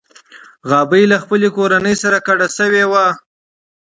غابي له خپلې کورنۍ سره کډه شوې وه.